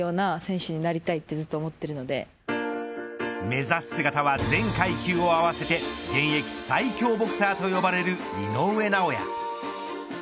目指す姿は全階級合わせて現役最強ボクサーと呼ばれる井上尚弥。